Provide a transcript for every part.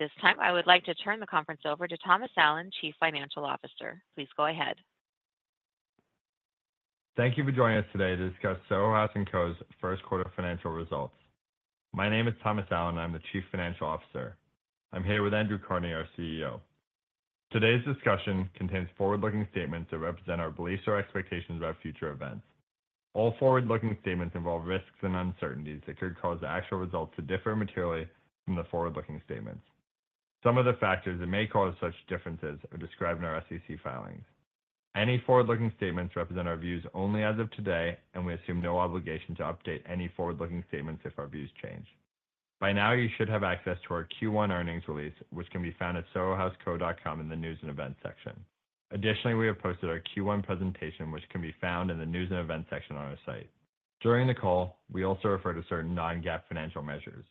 At this time, I would like to turn the conference over to Thomas Allen, Chief Financial Officer. Please go ahead. Thank you for joining us today to discuss Soho House & Co.'s first quarter financial results. My name is Thomas Allen, I'm the Chief Financial Officer. I'm here with Andrew Carnie, our CEO. Today's discussion contains forward-looking statements that represent our beliefs or expectations about future events. All forward-looking statements involve risks and uncertainties that could cause actual results to differ materially from the forward-looking statements. Some of the factors that may cause such differences are described in our SEC filings. Any forward-looking statements represent our views only as of today, and we assume no obligation to update any forward-looking statements if our views change. By now, you should have access to our Q1 earnings release, which can be found at sohohouseco.com in the News and Events section. Additionally, we have posted our Q1 presentation, which can be found in the News and Events section on our site. During the call, we also refer to certain non-GAAP financial measures.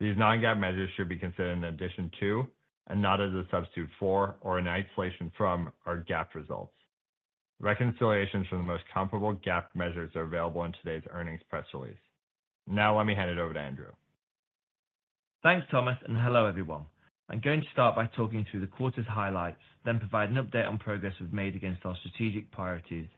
These non-GAAP measures should be considered in addition to, and not as a substitute for, or in isolation from, our GAAP results. Reconciliations from the most comparable GAAP measures are available in today's earnings press release. Now, let me hand it over to Andrew. Thanks, Thomas, and hello, everyone. I'm going to start by talking through the quarter's highlights, then provide an update on progress we've made against our strategic priorities.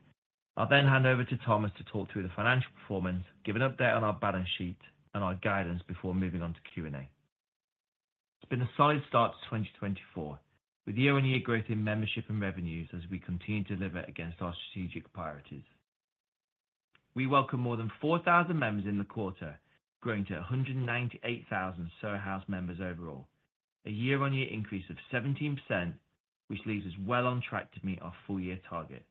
I'll then hand over to Thomas to talk through the financial performance, give an update on our balance sheet and our guidance before moving on to Q&A. It's been a solid start to 2024, with year-on-year growth in membership and revenues as we continue to deliver against our strategic priorities. We welcomed more than 4,000 members in the quarter, growing to 198,000 Soho House members overall, a year-on-year increase of 17%, which leaves us well on track to meet our full-year target.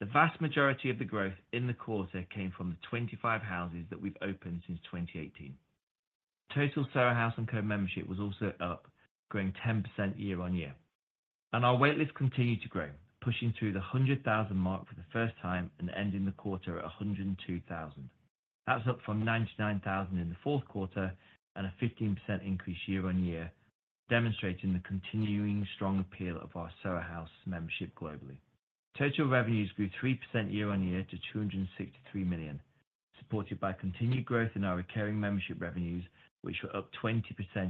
The vast majority of the growth in the quarter came from the 25 houses that we've opened since 2018. Total Soho House & Co. Membership was also up, growing 10% year-on-year, and our wait list continued to grow, pushing through the 100,000 mark for the first time and ending the quarter at 102,000. That's up from 99,000 in the fourth quarter and a 15% increase year-on-year, demonstrating the continuing strong appeal of our Soho House membership globally. Total revenues grew 3% year-on-year to $263 million, supported by continued growth in our recurring membership revenues, which were up 20%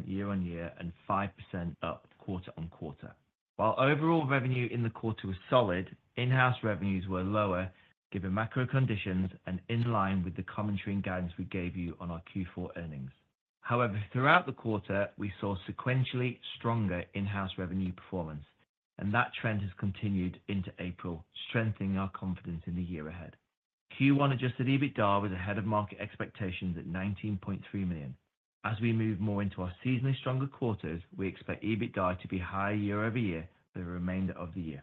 year-on-year and 5% up quarter-on-quarter. While overall revenue in the quarter was solid, in-house revenues were lower, given macro conditions and in line with the commentary and guidance we gave you on our Q4 earnings. However, throughout the quarter, we saw sequentially stronger in-house revenue performance, and that trend has continued into April, strengthening our confidence in the year ahead. Q1 Adjusted EBITDA was ahead of market expectations at $19.3 million. As we move more into our seasonally stronger quarters, we expect EBITDA to be higher year-over-year for the remainder of the year.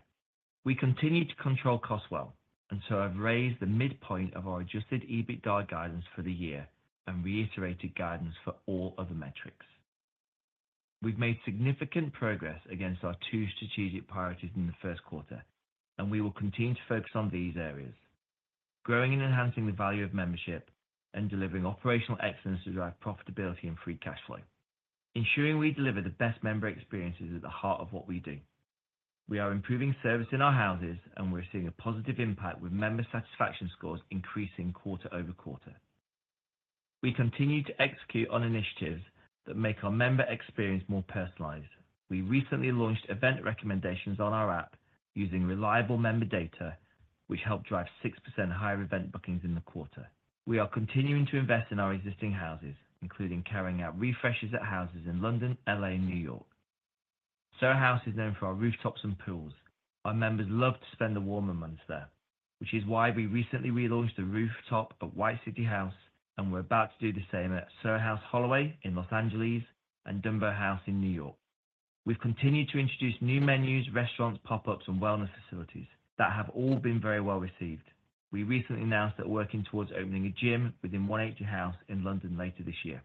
We continued to control costs well, and so I've raised the midpoint of our Adjusted EBITDA guidance for the year and reiterated guidance for all other metrics. We've made significant progress against our two strategic priorities in the first quarter, and we will continue to focus on these areas: growing and enhancing the value of membership, and delivering operational excellence to drive profitability and free cash flow. Ensuring we deliver the best member experience is at the heart of what we do. We are improving service in our houses, and we're seeing a positive impact, with member satisfaction scores increasing quarter-over-quarter. We continue to execute on initiatives that make our member experience more personalized. We recently launched event recommendations on our app using reliable member data, which helped drive 6% higher event bookings in the quarter. We are continuing to invest in our existing houses, including carrying out refreshes at houses in London, L.A., and New York. Soho House is known for our rooftops and pools. Our members love to spend the warmer months there, which is why we recently relaunched the rooftop at White City House, and we're about to do the same at Soho House Holloway in Los Angeles and Dumbo House in New York. We've continued to introduce new menus, restaurants, pop-ups, and wellness facilities that have all been very well received. We recently announced that we're working towards opening a gym within 180 House in London later this year.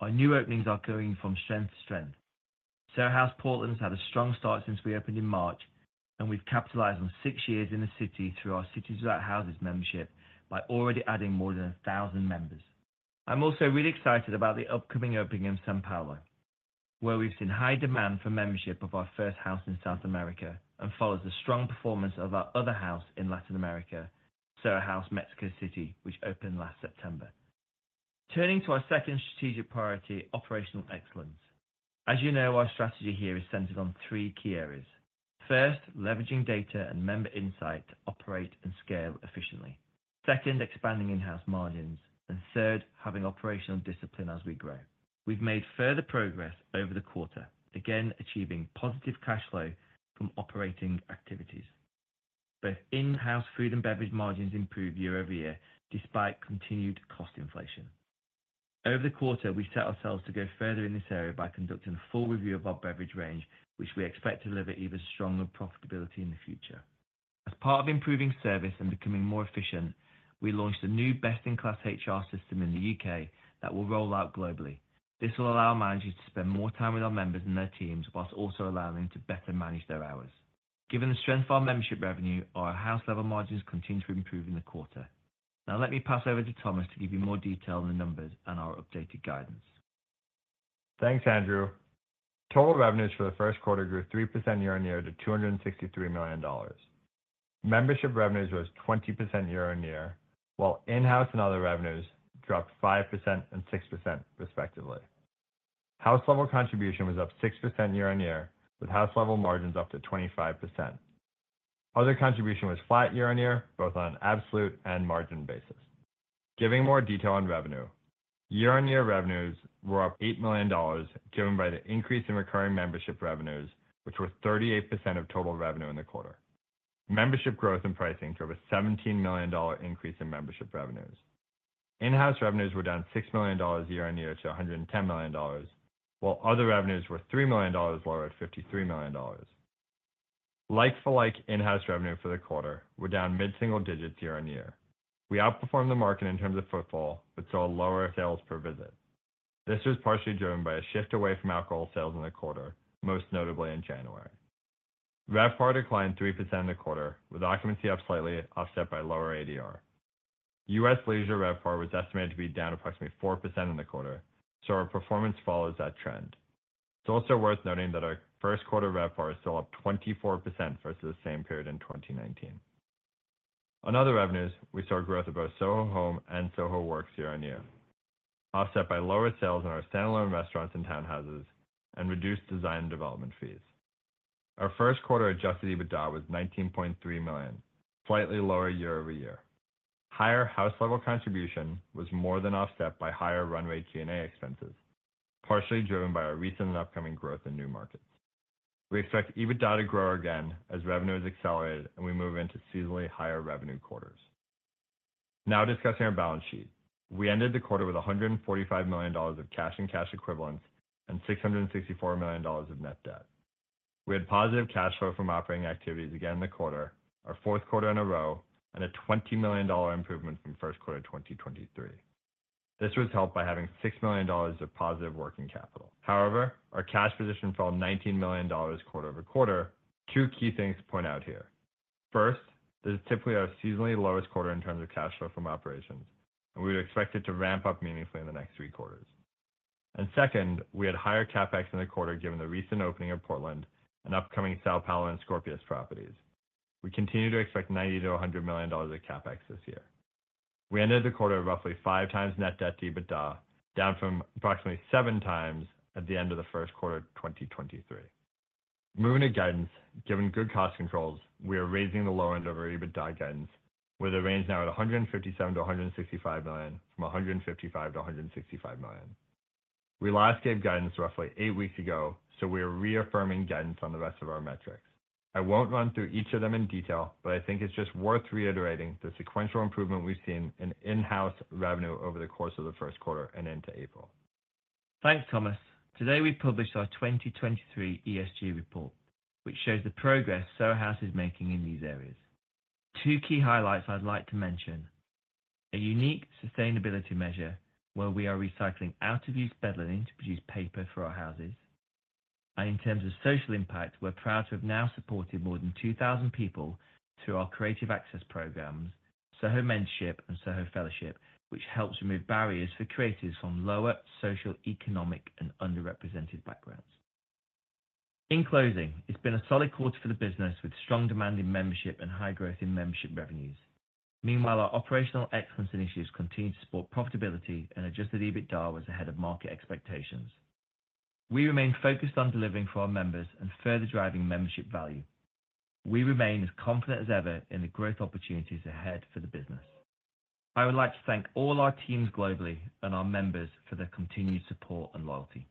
Our new openings are going from strength to strength. Soho House Portland's had a strong start since we opened in March, and we've capitalized on six years in the city through our Cities Without Houses membership by already adding more than 1,000 members. I'm also really excited about the upcoming opening in São Paulo, where we've seen high demand for membership of our first house in South America and follows the strong performance of our other house in Latin America, Soho House Mexico City, which opened last September. Turning to our second strategic priority, operational excellence. As you know, our strategy here is centered on three key areas. First, leveraging data and member insight to operate and scale efficiently. Second, expanding in-house margins, and third, having operational discipline as we grow. We've made further progress over the quarter, again, achieving positive cash flow from operating activities. Both in-house food and beverage margins improved year-over-year, despite continued cost inflation. Over the quarter, we set ourselves to go further in this area by conducting a full review of our beverage range, which we expect to deliver even stronger profitability in the future. As part of improving service and becoming more efficient, we launched a new best-in-class HR system in the U.K. that will roll out globally. This will allow managers to spend more time with our members and their teams, whilst also allowing them to better manage their hours. Given the strength of our membership revenue, our house level margins continue to improve in the quarter. Now, let me pass over to Thomas to give you more detail on the numbers and our updated guidance. Thanks, Andrew. Total revenues for the first quarter grew 3% year-on-year to $263 million. Membership revenues rose 20% year-on-year, while in-house and other revenues dropped 5% and 6% respectively. House level contribution was up 6% year-on-year, with house level margins up to 25%. Other contribution was flat year-on-year, both on an absolute and margin basis. Giving more detail on revenue: year-on-year revenues were up $8 million, driven by the increase in recurring membership revenues, which were 38% of total revenue in the quarter. Membership growth and pricing drove a $17 million increase in membership revenues. In-house revenues were down $6 million year-on-year to $110 million, while other revenues were $3 million lower at $53 million. Like-for-like in-house revenue for the quarter were down mid-single digits year-on-year. We outperformed the market in terms of footfall, but saw lower sales per visit. This was partially driven by a shift away from alcohol sales in the quarter, most notably in January. RevPAR declined 3% in the quarter, with occupancy up slightly, offset by lower ADR. U.S. leisure RevPAR was estimated to be down approximately 4% in the quarter, so our performance follows that trend. It's also worth noting that our first quarter RevPAR is still up 24% versus the same period in 2019. On other revenues, we saw growth of both Soho Home and Soho Works year-on-year, offset by lower sales in our standalone restaurants and townhouses, and reduced design and development fees. Our first quarter adjusted EBITDA was $19.3 million, slightly lower year-over-year. Higher house level contribution was more than offset by higher runway G&A expenses, partially driven by our recent and upcoming growth in new markets. We expect EBITDA to grow again as revenues accelerate and we move into seasonally higher revenue quarters. Now discussing our balance sheet. We ended the quarter with $145 million of cash and cash equivalents, and $664 million of net debt. We had positive cash flow from operating activities again in the quarter, our fourth quarter in a row, and a $20 million improvement from first quarter of 2023. This was helped by having $6 million of positive working capital. However, our cash position fell $19 million quarter over quarter. Two key things to point out here: First, this is typically our seasonally lowest quarter in terms of cash flow from operations, and we would expect it to ramp up meaningfully in the next three quarters. And second, we had higher CapEx in the quarter given the recent opening of Portland and upcoming São Paulo and Scorpios properties. We continue to expect $90 million-$100 million of CapEx this year. We ended the quarter at roughly 5x net debt to EBITDA, down from approximately 7x at the end of the first quarter of 2023. Moving to guidance, given good cost controls, we are raising the low end of our EBITDA guidance, with a range now at $157 million-$165 million, from $155 million-$165 million. We last gave guidance roughly eight weeks ago, so we are reaffirming guidance on the rest of our metrics. I won't run through each of them in detail, but I think it's just worth reiterating the sequential improvement we've seen in in-house revenue over the course of the first quarter and into April. Thanks, Thomas. Today, we published our 2023 ESG report, which shows the progress Soho House is making in these areas. Two key highlights I'd like to mention: a unique sustainability measure, where we are recycling out-of-use bed linen to produce paper for our houses. And in terms of social impact, we're proud to have now supported more than 2,000 people through our Creative Access programs, Soho Mentorship and Soho Fellowship, which helps remove barriers for creatives from lower social, economic, and underrepresented backgrounds. In closing, it's been a solid quarter for the business, with strong demand in membership and high growth in membership revenues. Meanwhile, our operational excellence initiatives continue to support profitability and Adjusted EBITDA was ahead of market expectations. We remain focused on delivering for our members and further driving membership value. We remain as confident as ever in the growth opportunities ahead for the business. I would like to thank all our teams globally and our members for their continued support and loyalty.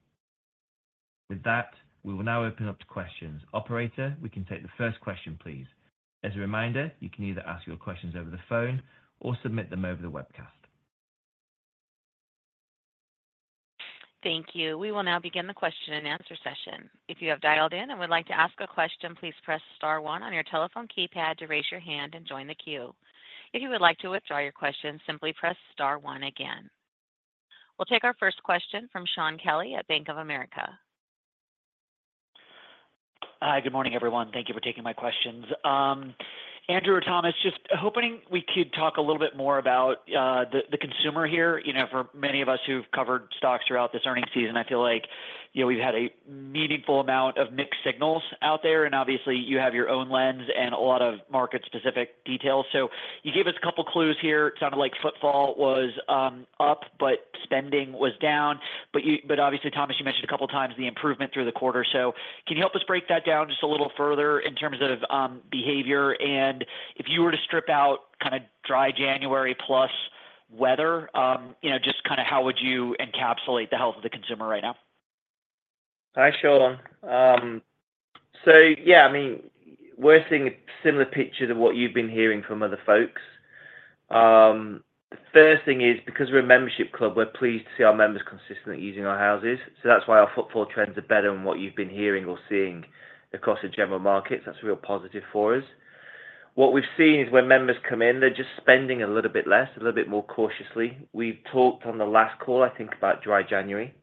With that, we will now open up to questions. Operator, we can take the first question, please. As a reminder, you can either ask your questions over the phone or submit them over the webcast. Thank you. We will now begin the question and answer session. If you have dialed in and would like to ask a question, please press star one on your telephone keypad to raise your hand and join the queue. If you would like to withdraw your question, simply press star one again. We'll take our first question from Shaun Kelley at Bank of America. Hi, good morning, everyone. Thank you for taking my questions. Andrew or Thomas, just hoping we could talk a little bit more about the consumer here. You know, for many of us who've covered stocks throughout this earnings season, I feel like, you know, we've had a meaningful amount of mixed signals out there, and obviously, you have your own lens and a lot of market-specific details. So you gave us a couple clues here. It sounded like footfall was up, but spending was down. But obviously, Thomas, you mentioned a couple of times the improvement through the quarter. Can you help us break that down just a little further in terms of behavior, and if you were to strip out kind of dry January plus weather, you know, just kind of how would you encapsulate the health of the consumer right now? Hi, Shaun. So yeah, I mean, we're seeing a similar picture to what you've been hearing from other folks. The first thing is, because we're a membership club, we're pleased to see our members consistently using our houses. So that's why our footfall trends are better than what you've been hearing or seeing across the general markets. That's a real positive for us. What we've seen is when members come in, they're just spending a little bit less, a little bit more cautiously. We've talked on the last call, I think, about dry January.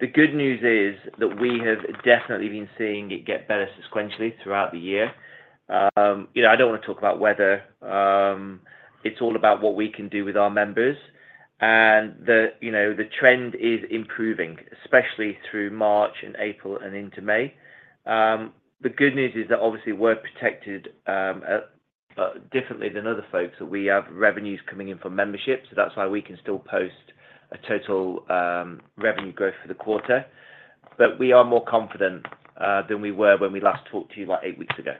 The good news is that we have definitely been seeing it get better sequentially throughout the year. You know, I don't want to talk about weather. It's all about what we can do with our members. You know, the trend is improving, especially through March and April and into May. The good news is that obviously we're protected differently than other folks, that we have revenues coming in from membership, so that's why we can still post a total revenue growth for the quarter. But we are more confident than we were when we last talked to you, like, eight weeks ago.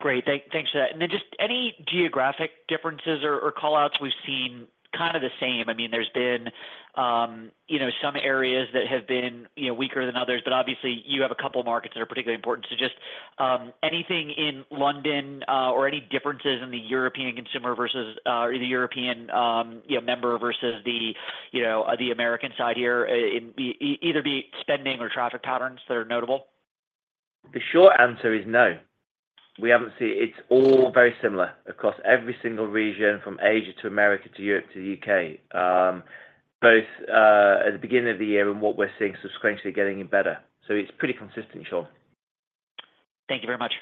Great. Thanks for that. And then just any geographic differences or call-outs? We've seen kind of the same. I mean, there's been, you know, some areas that have been, you know, weaker than others, but obviously, you have a couple markets that are particularly important. So just, anything in London, or any differences in the European consumer versus the European, you know, member versus the, you know, the American side here, in either spending or traffic patterns that are notable? The short answer is no. We haven't seen... It's all very similar across every single region, from Asia to America, to Europe, to the UK. Both at the beginning of the year and what we're seeing subsequently getting it better. So it's pretty consistent, Sean. Thank you very much.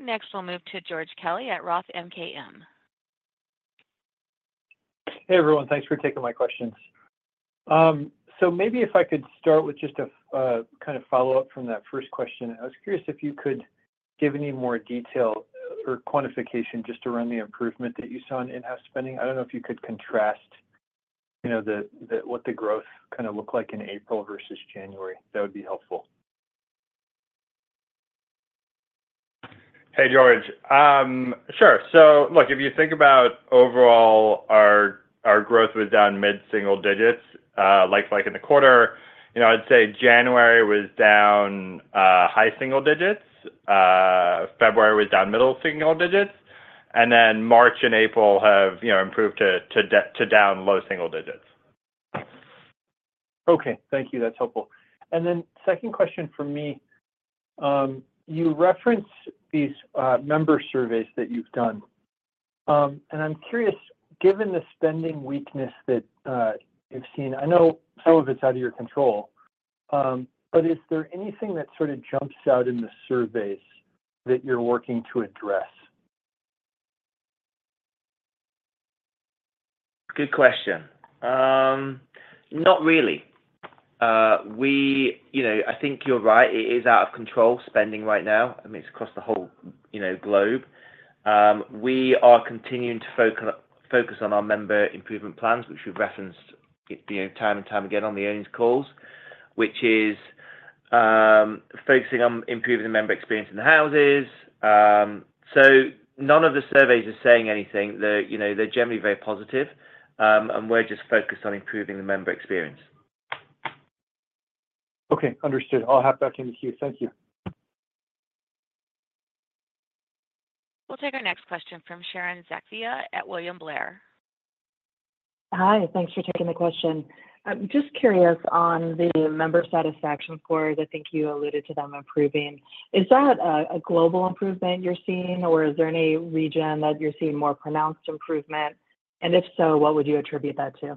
Next, we'll move to George Kelly at Roth MKM. Hey, everyone. Thanks for taking my questions. So maybe if I could start with just a kind of follow-up from that first question. I was curious if you could give any more detail or quantification just around the improvement that you saw in in-house spending. I don't know if you could contrast, you know, what the growth kind of looked like in April versus January. That would be helpful. Hey, George. Sure. So look, if you think about overall, our growth was down mid-single digits, like in the quarter. You know, I'd say January was down high single digits, February was down middle single digits, and then March and April have, you know, improved to down low single digits. Okay. Thank you. That's helpful. And then second question from me. You referenced these member surveys that you've done. And I'm curious, given the spending weakness that you've seen, I know some of it's out of your control, but is there anything that sort of jumps out in the surveys that you're working to address? Good question. Not really. You know, I think you're right, it is out of control, spending right now. I mean, it's across the whole, you know, globe. We are continuing to focus on our member improvement plans, which we've referenced, you know, time and time again, on the earnings calls, which is focusing on improving the member experience in the houses. So none of the surveys are saying anything. They're, you know, they're generally very positive, and we're just focused on improving the member experience. Okay, understood. I'll hop back in the queue. Thank you. We'll take our next question from Sharon Zackfia at William Blair. Hi, thanks for taking the question. I'm just curious on the member satisfaction scores. I think you alluded to them improving. Is that a global improvement you're seeing, or is there any region that you're seeing more pronounced improvement? And if so, what would you attribute that to?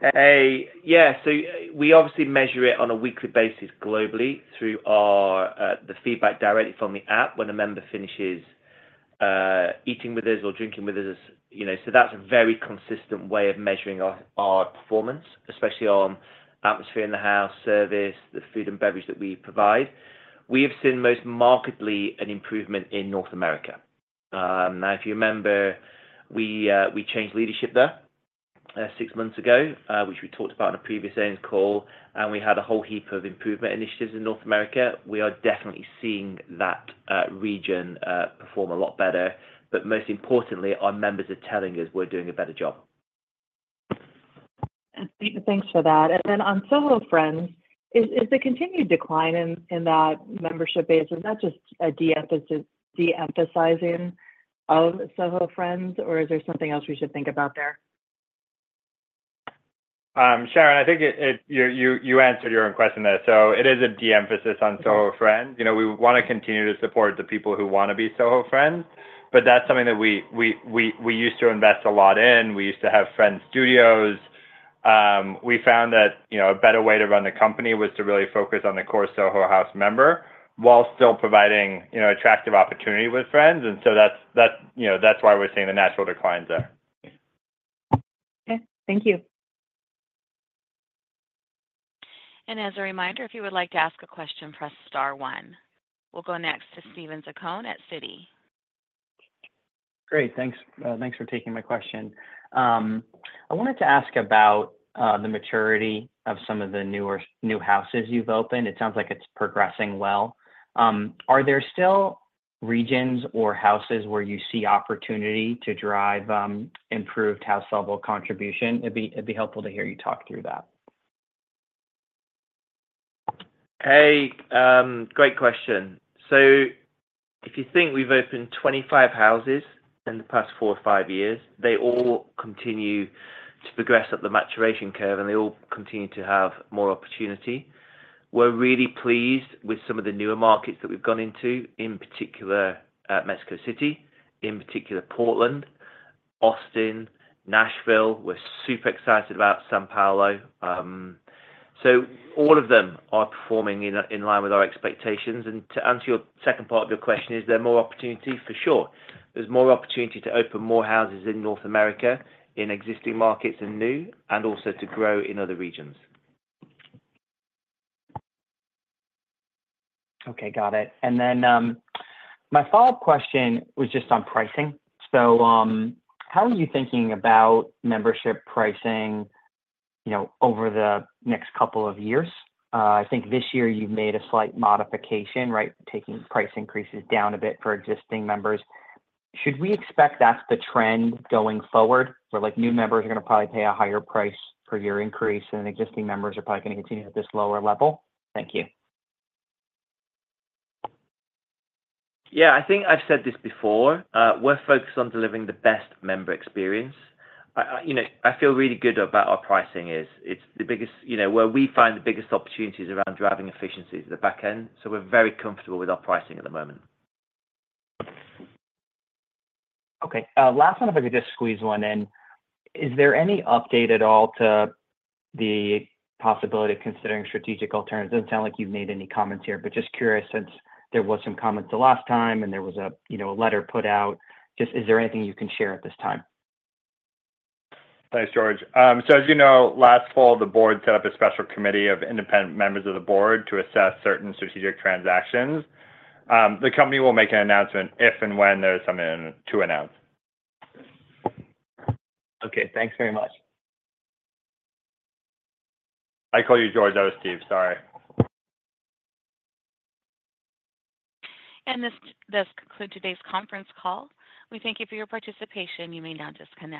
Hey, yeah. So we obviously measure it on a weekly basis globally through our, the feedback directly from the app when a member finishes, eating with us or drinking with us, you know. So that's a very consistent way of measuring our, our performance, especially on atmosphere in the house, service, the food and beverage that we provide. We have seen most markedly an improvement in North America. Now, if you remember, we, we changed leadership there, 6 months ago, which we talked about on a previous earnings call, and we had a whole heap of improvement initiatives in North America. We are definitely seeing that, region, perform a lot better, but most importantly, our members are telling us we're doing a better job. Thanks for that. Then on Soho Friends, is the continued decline in that membership base, is that just a de-emphasizing of Soho Friends, or is there something else we should think about there? Sharon, I think you answered your own question there. So it is a de-emphasis on Soho Friends. You know, we wanna continue to support the people who wanna be Soho Friends, but that's something that we used to invest a lot in. We used to have Friends studios. We found that, you know, a better way to run the company was to really focus on the core Soho House member, while still providing, you know, attractive opportunity with friends. And so that's why we're seeing the natural declines there. Okay, thank you. As a reminder, if you would like to ask a question, press star one. We'll go next to Steven Zaccone at Citi. Great, thanks, thanks for taking my question. I wanted to ask about the maturity of some of the new houses you've opened. It sounds like it's progressing well. Are there still regions or houses where you see opportunity to drive improved House level contribution? It'd be helpful to hear you talk through that. Hey, great question. So if you think we've opened 25 houses in the past four or five years, they all continue to progress up the maturation curve, and they all continue to have more opportunity. We're really pleased with some of the newer markets that we've gone into, in particular, Mexico City, in particular, Portland, Austin, Nashville. We're super excited about São Paulo. So all of them are performing in line with our expectations. And to answer your second part of your question, is there more opportunity? For sure. There's more opportunity to open more houses in North America, in existing markets and new, and also to grow in other regions. Okay, got it. And then, my follow-up question was just on pricing. So, how are you thinking about membership pricing, you know, over the next couple of years? I think this year you've made a slight modification, right? Taking price increases down a bit for existing members. Should we expect that's the trend going forward, where, like, new members are gonna probably pay a higher price per year increase, and existing members are probably gonna continue at this lower level? Thank you. Yeah, I think I've said this before. We're focused on delivering the best member experience. You know, I feel really good about our pricing is... It's the biggest, you know, where we find the biggest opportunities around driving efficiencies at the back end, so we're very comfortable with our pricing at the moment. Okay. Last one, if I could just squeeze one in. Is there any update at all to the possibility of considering strategic alternatives? Doesn't sound like you've made any comments here, but just curious, since there was some comments the last time and there was a, you know, a letter put out. Just, is there anything you can share at this time? Thanks, George. So as you know, last fall, the board set up a special committee of independent members of the board to assess certain strategic transactions. The company will make an announcement if and when there is something to announce. Okay. Thanks very much. I call you George? Oh, Steve, sorry. This concludes today's conference call. We thank you for your participation. You may now disconnect.